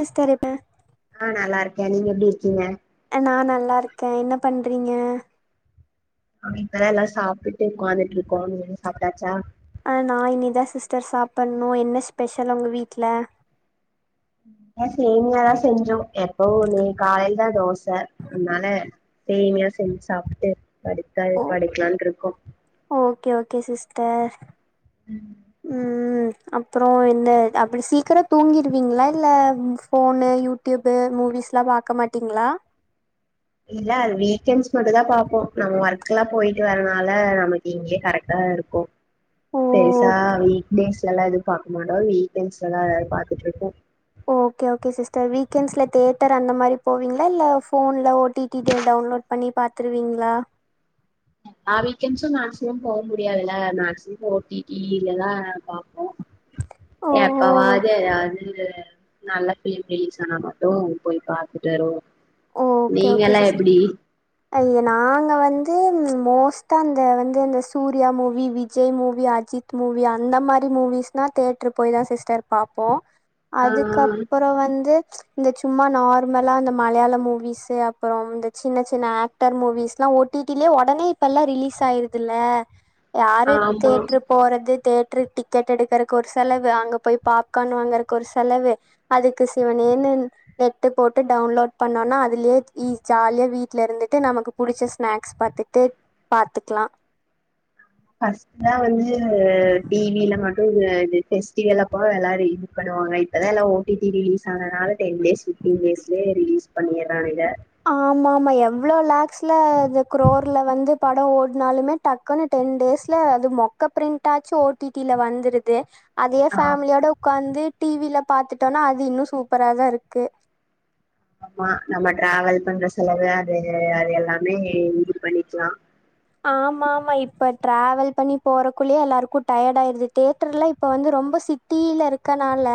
Sister இப்ப ஆ நல்லா இருக்கே நீங்க எப்டி இரு க்கீங்க நா நல்லா இருக்கே என்ன பண்றீங்க அவ இப்பல்லா எல்லாம் சாப்பிட்டு உட்காந்துட்டு இருக்கோம் நீங்க சாப்டாச்சா ஆ நா இனிதா சிஸ்டர் சாப்டணு என்ன ஸ்பெஷல் உங்க வீட்ல சேமியாதா செஞ்சோ எப்ப நீ காலையில தா தோச அதனால சேமியா செஞ்சு சாப்ட்டு படுத்தா ஓ படுக்கலான் இருக்கோ ஓகே ஓகே சிஸ்டர் ம் அப்புறம் இந்த அப்டி சீக்கிரம் தூங்கிருவீங்களா இல்ல போனு யூடியூபு மூவிஸ் எல்லா பாக்க மாட்டீங்களா இல்ல அது வீக்கெண்ட்ஸ் மட்டும் தா பாப்போ நம்ம ஒர்க் எல்லா போயிட்டு வரனால நமக்கு இங்கயே கரெக்டா இருக்கு ஓ பெருசா வீக்டேஸ் யெல்லாம் எதுவு பாக்க மாட்டோ வீக்யென்ட்ஸ்ல தா எல்லா பாத்துட்டு இருப்போ ஓகே ஓகே சிஸ்டர் வீக்கெண்ட்ஸ்ல தேட்டர் அந்த மாரி போவீங்களா இல்ல போன்ல ஓடிடி டவுன்லோட் பண்ணி பாத்துருவீங்களா வீக்கெண்ட்ஸும் மேக்சிமம் போக முடியாதுல மேக்சிமம் ஓடிடிலதா பாப்போ ஓ எப்பாவது நல்லா பிலிம் ரிலீஸ் ஆனா மட்டும் போய் பாாரத்துட்டு வருவோம் ஓகே ஓகே சிஸ் ஐ நாங்க வந்து வந்து மோஸ்டா அந்த வந்து அந்த Suriya movie Vijay movie Ajith movie அந்த மாரி மூவிஸ்னா தேட்ரு போய் தான் சிஸ்டர் பாப்போம் ஆ அதுக்கப்புறம் வந்து இந்த சும்மா நார்மலா இந்த மலையாளம் மூவிஸ் அப்புறம் இந்த சின்ன சின்ன ஆக்டர் மூவிஸ் எல்லாம் ஓடிடிலியே உடனே இப்ப எல்லாம் ரிலீஸ் ஆயிருதுல்ல யாரு ஆமா தேற்றுரு போறது தேட்ருக்கு டிக்கெட் எடுக்கிறக்கு ஒரு செலவு அங்கே போய் பாப்கார்ன் வாங்குறக்கு ஒரு செலவு அதுக்கு சிவனேன்னு நெட்டு போட்டு டவுன்லோட் பண்ணோனா அதுலயே ஜாலியா வீட்டுல இருந்துட்டு நமக்கு புடிச்ச ஸ்நாக்ஸ் பாத்துுட்டு பாத்துக்கலாம் பஸ்ட்ல வந்து டிவில மட் [unintelligible] பெஸ்டிவல்ப்ப எல்லாம் ரீல் போடுவாங்க இப்பதான் எல்லாம் ஓடிடி ரிலீஸ் ஆனது நாள டென் டேஸ் பிப்டீன் டேஸ்லயே ரிலீஸ் பண்ணிராநிங்க ஆமா ஆமா எவ்வளோ லேக்ஸ்ல அ குரோர்ல வந்து படம் ஓட்னாலுமே டக்குன்னு டென் டேஸ்ல அது மொக்க பிரிண்ட்டாச்சு ஓடிடில வந்துருது அதே ஃபேமிலியோடு உட்காந்து டிவில பாத்துட்டோம்னா அது இன்னும் சூப்பரா தான் இருக்கு ஆமா நம்ம ட்ராவல் பண்ற செலவு அது அது எல்லாமே இது பண்ணிக்கலாம் ஆமா ஆமா இப்ப டிராவல் பண்ணி போறக்குள்ளயே எல்லாருக்கும் டயர்ட் ஆயிருது தேட்டர்லாம் இப்ப வந்து ரொம்ப சிட்டில இருக்கனால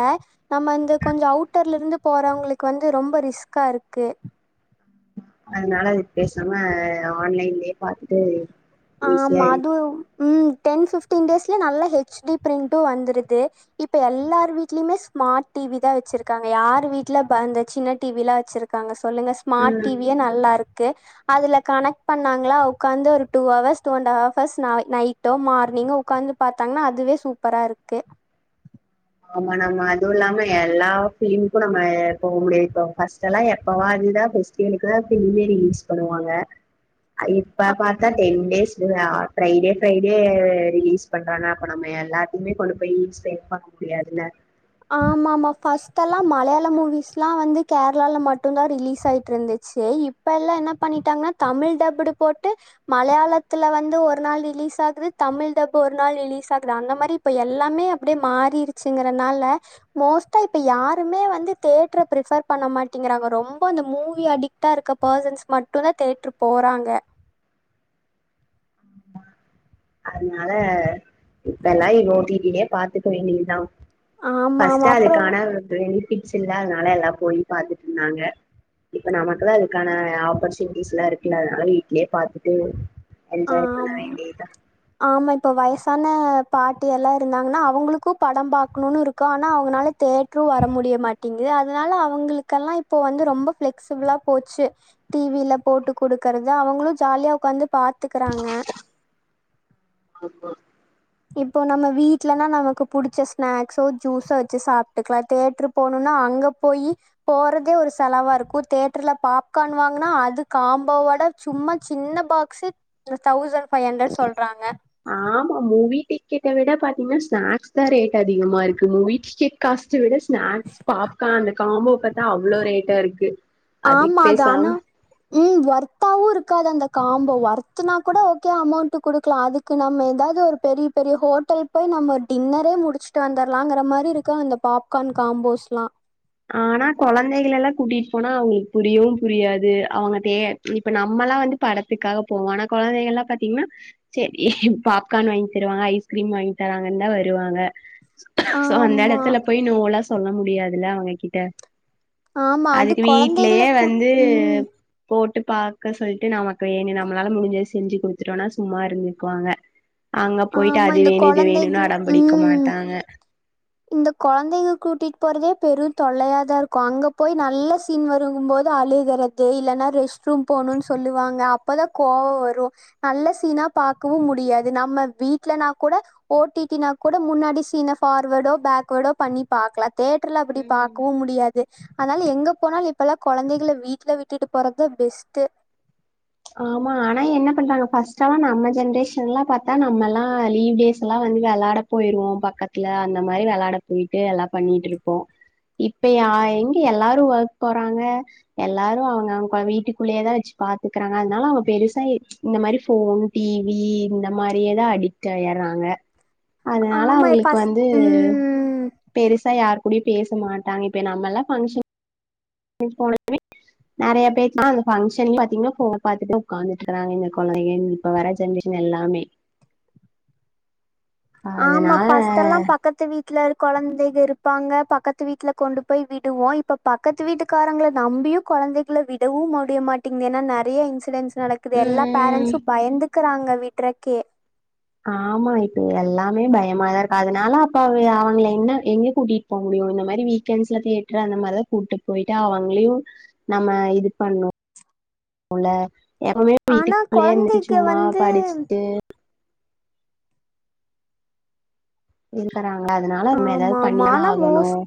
நம்ப இந்த கொஞ்சம் அவுட்டர் இருந்து போறவங்களுக்கு ரொம்ப ரிஸ்கா இருக்கு அதனால அது பேசாம ஆன்லைன்லயே பாத்துட்டு ஆ ஈஸியா மாது ம் டென் ஃபிஃப்டீன் டேஸ்லியே நல்லா ஹெச்டி பிரிண்ட்டும் வந்துடுது சொல்லுங்க ஸ்மார்ட் ம் டிவியே நல்லா இருக்கு க்கு அதுல கனெக்ட் பண்ணாங்களா உட்காந்து ஒரு டூ ஹவர்ஸ் டூ அண்ட்ஹவர்ஸ் நைட்டோ மார்னிங்கோ உட்கார்ந்து பார்த்தாங்கன்னா அதுவே சூப்பரா இருக்கு ஆமா நம்ம அதுவும் இல்லாம எல்லா பிலிமுக்கும் நம்ம போக முடியாது இப்போ பஸ்டலாம் எப்பவா அதுதான் பெஸ்டிவளுக்கு பிளீமே ரிலீஸ் பண்ணுவாங்க இப்ப பாத்தா ten day Friday Friday release பண்றாங்க அப்ப எல்லாதுக்கு கொண்டு போயி [unintelligible] முடியாது ல ஆமா ஆமா ஃபர்ஸ்ட் எல்லாம் மலையாள மூவிஸ்லாம் வந்து கேரளால மட்டும்தான் ரிலீஸ் ஆயிட்டு இருந்துச்சு இப்பல்லாம் என்ன பண்ணிட்டாங்கன்னா தமிழ் டப்புடு போட்டு மலையாளத்துல வந்து ஒரு நாள் ரிலீஸ் ஆகுது தமிழ் டப்பு ஒரு நாள் ரிலீஸ் ஆகுது அந்த மாறி இப்ப எல்லாமே அப்டி மாறிருச்சுருங்கன்னால மோஸ்ட்டா இப்ப யாருமே வந்து தேட்ர பிரிஃபர் பண்ண மாட்டேங்கறாங்க ரொம்ப இந்த மூவி அடிக்ட்டா இருக்குற பர்சன்ஸ் மட்டும் தான் தேட்டர் போறாங்க அதனால இப்ப லைவ் ஓட்டி டி லயே பாத்துக்க வேண்டியது தான் பஸ்டா ஆமாமா அது அப்றோ [unintelligible] கிட்ஸ் இல்ல அதனால எல்லாம் போய் பாத்துட்டு இருந்தாங்க இப்ப நமக்கு தான் அதுக்கான ஆப்பர்ச்சுனிட்டிஸ்லாம் இருக்குல்ல அதனால வீட்லயே பாத்துட்டு என்ஜாய் பண்ண ஆம் வேண்டியதுதான் ஆமா இப்ப வயசான பாட்டி எல்லாம் இருந்தாங்கன்னா அவங்களுக்கும் படம் பாக்கணும்னு இருக்கும் ஆனா அவங்கனால தேட்டரும் வர முடியமாட்டேங்குது அதனால அவங்களுக்கெல்லாம் இப்போ வந்து ரொம்ப பிளெக்சிபிளா போச்சு டிவில போட்டு குடுக்கறது அவங்களும் ஜாலியா உட்காந்து பாத் போறாங்க ஆமா இப்போ நம்ம வீட்லனா நமக்கு புடிச்ச ஸ்நாக்ஸோ ஜூஸோ வச்சு சாப்பிட்டுக்கலாம் தேட்டரு போகனும்னா அங்க போய் போறதே ஒரு செலவா இருக்கும் தேட்டர்ல பாப்கான் வாங்குனா அது காம்போவோட சும்மா சின்ன பாக்ஸ்ஸு ஒரு தௌசண் ஆமா மூவீட்டி கிட்ட விட பாத்தீங்கன்னா ஸ்நாக்ஸ் தான் ரேட் அதிகமா இருக்கும் மூவிஸ்டே காஸ்ட்ட விட ஸ்நாக்ஸ் பாப்கான் காம்போ பாத்தா அவ்ளோ ரேட்டா இருக்கு அதுக்கு ஆமா தான பேசாம ம் ஒர்த்தாவும் இருக்காது அந்த காம்போ ஒர்த்னா கூட ஓகே அமௌண்ட் குடுக்கலாம் அதுக்கு நம்ம ஏதாவது ஒரு பெரிய பெரிய ஹோட்டல் போய் நம்ம ஒரு டின்னரே முடிச்சுட்டு வந்துரலாம்ங்கிற மாரி இருக்கு அந்த பாப்கார்ன் காம்போஸ்லாம் ஆனா கொழந்தைகள் எல்லாம் கூட்டிட்டு போனா அவங்களுக்கு புரியவும் புரியாது அவங்க தே இப்ப நம்மல்லாம் வந்து படத்துக்காக போவோம் ஆனா கொழந்தைகள்ல்லாம் பாத்தீங்கன்னா செரி பாப்கார்ன் வாங்கி தருவாங்க ஐஸ்கிரீம் வாங்கி தராங்கன் தான் வருவாங்க சோ அந்த ஆமா இடத்துல போய் நோ லா சொல்ல முடியாதுல்ல அவங்க கிட்ட ஆமா அது அதுக்கு கொழந்தைகள வீட்லேயே கூட் வந்து ம் போட்டு விட்டு பாக்க சொல்லிட்டு நமக்கு வேணும் நம்மளால முடிஞ்சத செஞ்சு குடுத்துட்டோம்னா சும்மா இருந்துக்குவாங்க அங்க போயிட்டு ஆமா அது இந்த வேணும் இது வேணுன்னு கொழந்தைகள அடம் பிடிக்க ம் மாட்டாங்க இந்த கொழந்தைங்க கூட்டிட்டு போறதே பெரும் தொல்லையாதான் இருக்கும் அங்க போய் நல்ல சீன் வரும் போது அழுகிறது இல்லைன்னா ரெஸ்ட் ரூம் போணுன் சொல்லுவாங்க அப்பதான் கோவம் வரும் நல்ல சீனா பாக்கவும் முடியாது நம்ம வீட்லனா கூட ஓட்டி டி னா கூட முன்னாடி சீன ஃபார்வடோ பேக்வேர்டோ பண்ணி பாக்கலாம் தேட்டர்ல அப்டி ம் பாக்கவும் முடியாது அதனால எங்க போனாலும் இப்பல்லாம் கொழந்தைகள வீட்ல விட்டுட்டு போறது பெஸ்ட்டு ஆமா ஆனா என்ன பண்றாங்க ஃபர்ஸ்ட்லாம் நம்ம ஜென்ரேஷன்லாம் பாத்தா நம்மல்லாம் லீவ் டேஸ் எல்லாம் வந்து விளாட போயிருவோம் பக்கத்துல அந்த மாரி விளாட போயிட்டு எல்லாம் பண்ணிட்டு இருப்போம் இப்பயா எங்க எல்லாரும் ஒர்க் போறாங்க எல்லாரும் அவங்க அவங்க வீட்டுக்குள்ளேயேதான் வச்சு பாத்து இருக்கறாங்க அதனால அவங்க பெருசா இந்த மாரி போன் டிவி இந்த மாரியேதான் அடிக்ட் ஆயிடுறாங்க அதனால ஆமா அவங்களுக்கு ஃபஸ்ட் வந்து ம். பெருசா யாரு அப்படிய பேச மாட்டாங்க இப்ப நம்ம எல்லாம் பங்க்ஷன் [unintelligible] நிறைய பேர் ஃபங்க்ஷன் பாத்தீங்கன்னா போன பாத்துட்டு உட்காந்துக்கறாங்க இந்த குழந்தைகள் இப்ப வர ஜென்ரேஷன் எல்லாமே ஆமா அதனால ஃபர்ஸ்ட் எல்லாம் பக்கத்து வீட்டு வீட்ல குழந்தைகள் இருப்பாங்க பக்கத்து வீட்டுல கொண்டு போய் விடுவோம் இப்ப பக்கத்து வீட்டுக்காரங்களை நம்பியும் குழந்தைகல விடவும் முடிய மாட்டேங்கிது ஏன்னா நிறைய இன்சிடென்ட்ஸ் நடக்குது எல்லா ம் பேரண்ஸ்ஸும் பயந்துட்டு இருக்குறாங்க வீட்றக்கே பயமாதான் இருக்கு அதனால அப்ப அவங்கள என்ன எங்க கூட்டிட்டு போக முடியும் இந்த மாரி வீக்கண்ட்ஸ்ல தியேட்டர் அந்த மாதிரிதான் கூட்டு போய்ட்டு அவங்களையும் நம்ம இது பண்ணும் உள்ள எப்பவுமே ஆனா வீட்டுக்குள்ளேயே இருந்துட்டு கொழந்தைக்கு சும்மா வந்து படிச்சுட்டு [unintelligible] அதனால நம்ம ஏதாவது ஆமா ஆமா பண்ணிதான ஆனா மோஸ் ஆகணும்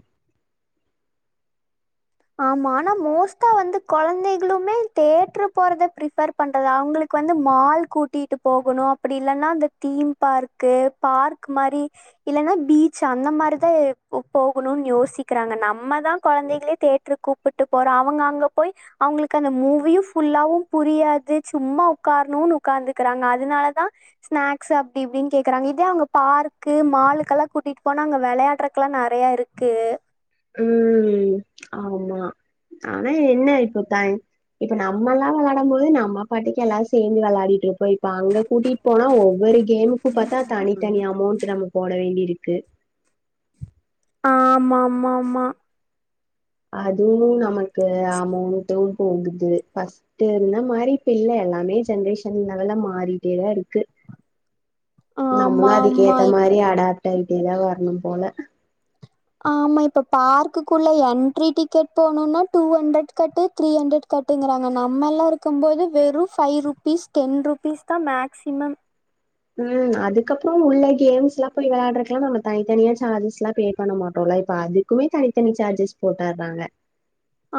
ஆமா ஆனா மோஸ்டா வந்து குழந்தைகளுமே தேட்ரு போறத பிபர் பண்றது அவங்களுக்கு வந்து மால் கூட்டிட்டு போகணு அப்டி இல்லைன்னா அந்த தீம் பார்க்கு பார்க் மாரி இல்லன்னா பீச் அந்த மாரிதா போகணும்னு யோசிக்கிறாங்க நம்மதா குழந்தைகளே தேட் கூப்பிட்டு போறோம் அவங்க அங்க போய் அவங்களுக்கு அந்த மூவியும் ஃபுல்லாவும் புரியாது சும்மா உட்காரணும்ன்னு உட்கார்ந்துக்கறாங்க அதனாலதா ஸ்நாக்ஸ் அப்டி இப்டின்னு கேக்குறாங்க இதே அவங்க பார்க்கு மாலுக்கெல்லா கூட்டிட்டு போனா அங்க விளையாடுறக்கு எல்லா நிறைய இருக்கு ம் ஆமா ஆனா என்ன இப்போத்தா இப்ப நம்ம எல்லாம் விளையாடும் போது நம்ம பாட்டுக்கு எல்லாரும் சேர்ந்து விளையாடிட்டு இருக் இப்ப இப்ப அங்க கூட்டிட்டு போனா ஒவ்வொரு கேம்முக்கும் பாத்தா தனி தனி அமௌண்ட் நம்ம போட வேண்டி இருக் க்கு ஆமா ஆமா ஆமா அதுவும் நம்ம [unintelligible] அமௌண்ட் போகுது ஃபஸ்ட் இருந்தா மாரி இப்ப இல்ல எல்லாமே ஜென்ரேஷன் எல்லாம் மாறிட்டேதா இருக்கு ஆமா நம்மளும் அதுக் ஆமா ஏத்த இப் மாரி ஆடா ஐடிதா வரணும் போல ஆமா இப்ப பார்க்குக்குள்ள என்ட்ரி டிக்கெட் போனுனா டூ ஹண்ட்ரட் கட்டு த்ரீ ஹண்ட்ரட் கட்டுங்கறாங்க நம்ம எல்லாம் இருக்கும் போது வெறும் ஃபைவ் ருபீஸ் டென் ருபீஸ் தா மேக்சிமம் ம் அதுக்கப்புறம் உள்ள கேம்ஸ் எல்லா போய் விளையாடுறக்குலாம் நம்ம தனித்தனியா சார்ஜஸ் எல்லாம் பே பண்ண மாட்டோம்ல இப்ப அதுக்குமே தனித்தனி சார்ஜஸ் போட்டடுறாங்க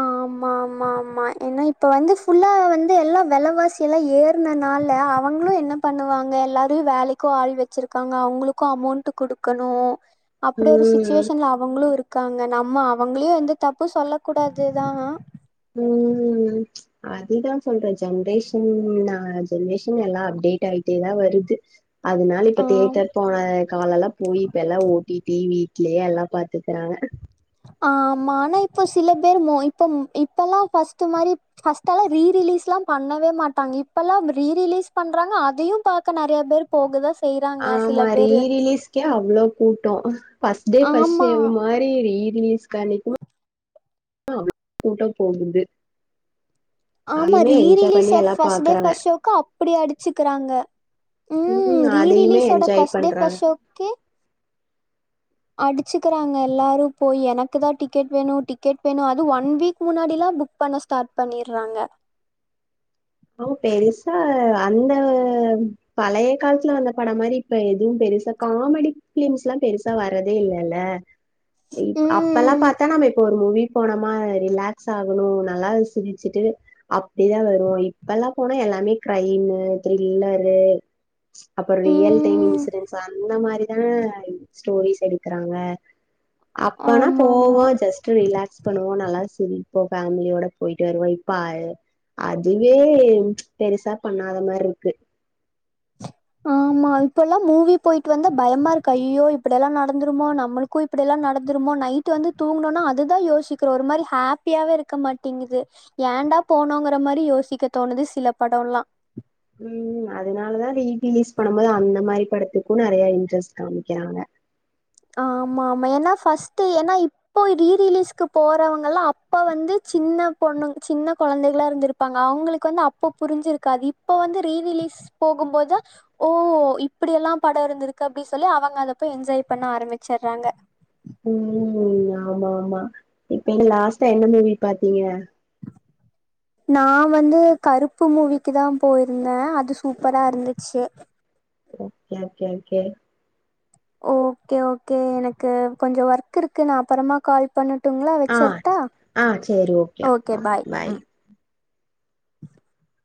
ஆமா ஆமா ஆமா ஏனா இப்ப வந்து ஃபுல்லா வந்து எல்லா வெலைவாசி எல்லா ஏறன்னால அவங்களும் என்ன பண்ணுவாங்க எல்லாரையும் வேலைக்கும் ஆள் வச்சிருக்காங்க அவங்களுக்கும் அமௌண்ட் குடுக்கணும் அப்படி ஒரு ம் சிச்சுவேஷ்ன்ல அவங்களும் இருக்காங்க நம்ம அவங்களையும் வந்து தப்பு சொல்ல கூடாது தா ம் அதுதான் சொல்றே ஜென்ரேஷன் நா ஜென்ரேஷன் எல்லா அப்டேட் ஆயிட்டேதான் வருது அதனால இப்ப ஆ தேட்டர் போன கால எல்லாம் போய் இப்ப எல்லாம் ஓ டி டி வி ட்லயே எல்லா பாத்துக்குறாங்க ஆமா ஆனா இப்போ சிலபேர் மோ இப்பம் இப்பலா பஸ்ட் மாரி பஸ்ட் எல்லாம் ரீ ரிலீஸ்லா பண்ணவே மாட்டாங்க இப்பல்லா ரீ ரிலீஸ் பண்றாங்க அதையும் பாக்க நறைய பேர் போகதா செய்யறாங்க சில ஆமா ரீ பேரு ரிலீஸ்கே அவ்வளோ கூட்டோம் பஸ்டே ஆமா பஸ்ஷோ மாரி ம் கனக்குமா கூட்டம் போகுது ஆமா அதையுமே ரீ என்ஜாய் பண்ணி ரிலீஸ்ஸ்ஸ எல்லா ஃபஸ்டே பாக்கறாங்க பஸ்ஷோக்கு அப்படி அடிச்சுக்கறாங்க ம் ரீ அதையுமே ரிலீஸோட என்ஜாய் ஃபஸ்ட் பண்றாங்க பஸ் ஷோக்கே அடிச்சக்கறாங்க எல்லாரு போய் எனக்குதா டிக்கெட் வேணும் டிக்கெட் வேணும் அது ஒன் வீக் முன்னாடிலா புக் பண்ண ஸ்டார்ட் பண்ணி றாங்க அவ பெருசா அந்த பழைய காலத்துல வந்த படம் மாரி இப்ப எதுவும் பெருசா காமெடி பிலிம்ஸ்லா பெருசா வரதே இல்லல்ல அப்ப எல்லா ம் பாத்தா நம்ம இப்ப ஒரு மூவி போனமா ரிலாக்ஸ் ஆகணும் நல்லாவே சிரிச்சுட்டு அப்டிதா வருவோம் இப்பல்லா போனா எல்லாமே கிரைனு த்ரில்லரு அப்புறோ ரியல் டைம் ம் இன்சூரன்ஸ் அந்த மா [unintelligible] ஸ்டோரிஸ் எடுக்றாங்க அப்பல்ல ஆமா ஆமா போவோம் ஜஸ்ட்டு ரிலாக்ஸ் பண்ணுவோம் நல்லா சரி இப்போ ஃபேமிலியோட போயிட்டு வருவோம் இப்ப அ அது வே பெருசா பண்ணாத மாரி இருக்கு ஆமா இப்ப எல்லா மூவி போயிட்டு வந்தா பயமா இருக்க ஐயோ இப்படெல்லா நடந்துருமோ நம்மளுக்கும் இப்படில்லா நடந்துருமோ நைட் வந்து தூங்கணுனா அதுதா யோசிக்கிறோ ஒரு மாரி ஹாப்பியாவே இருக்க மாட்டேங்குது ஏண்டா போனோங்கிற மாரி யோசிக்க தோணுது சில படல்லா ம் அதனாலதா ரீ ரிலீஸ் பண்ணும் போது அந்த மாரி படத்துக்கும் நறைய இன்ட்ரெஸ்ட் காமிக்கிறாங்க ஆமா ஆமா ஏன்னா ஃபஸ்ட் ஏன்னா இப்போ ரீ ரிலீஸ்க்கு போறவங்கல்லா அப்ப வந்து சின்ன பொண்ணு சின்ன கொழந்தைகளா இருந்திருப்பாங்க அவுங்களுக்கு வந்து அப்ப புரிஞ்சிருக்காது இப்ப வந்து ரீ ரிலீஸ் போகும் போதா ஓ இப்டி எல்லா படம் இருந்திருக்கு அப்டி சொல்லி அவுங்க அதப்போய் என்ஜாய் பண்ண ஆரம்பிச்சுறாங்க ம் ஆமா ஆமா இப்ப நீங்க லாஸ்டா என்ன மூவி பாத்தீங்க நா வந்து கருப்பு மூவிக்கிதா போயிருந்தே அது சூப்பரா இருந்துச்சி ஒகே கே கே ஓகே ஓகே எனக்கு கொஞ்சோ ஒர்க் இருக்கு நா அப்புறமா கால் பண்ண ஆ ஆ சேரி ஓகே பாய் [inaudible]